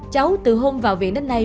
cháu từ hôm vào viện đến nay